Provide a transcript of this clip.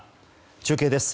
中継です。